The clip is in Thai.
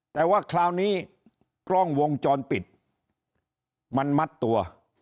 แต่ว่าคราวนี้กล้องวงจรปิดมันมัดตัว